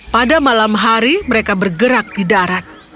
pada malam hari mereka bergerak di darat